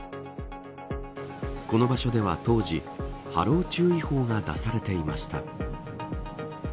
この場所では当時波浪注意報が出されていました。